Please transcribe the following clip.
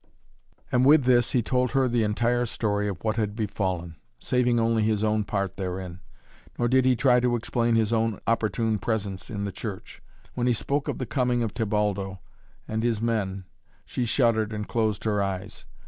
And with this he told her the entire story of what had befallen, saving only his own part therein, nor did he try to explain his own opportune presence in the church. When he spoke of the coming of Tebaldo and his men she shuddered and closed her eyes.